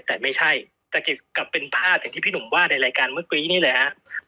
แต่ไม่ใช่แต่เกี่ยวกับเป็นภาพอย่างที่พี่หนุ่มว่าในรายการเมื่อกี้นี่แหละฮะ